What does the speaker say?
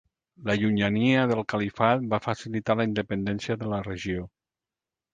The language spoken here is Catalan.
La llunyania del califat va facilitar la independència de la regió.